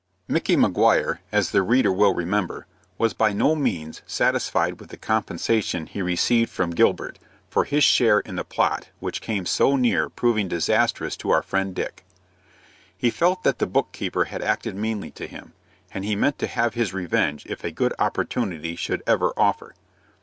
Micky Maguire, as the reader will remember, was by no means satisfied with the compensation he received from Gilbert for his share in the plot which came so near proving disastrous to our friend Dick. He felt that the book keeper had acted meanly to him, and he meant to have his revenge if a good opportunity should ever offer.